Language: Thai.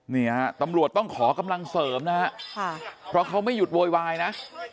นี่ฮะตำรวจต้องขอกำลังเสริมนะฮะเพราะเขาไม่หยุดโวยวายนะ